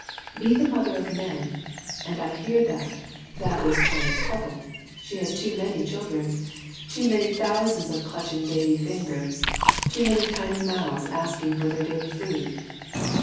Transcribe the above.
Be the mother of men; and I hear that, that is China's trouble. She has too many children, too many thousands of clutching baby fingers, too many tiny mouths asking for their daily food.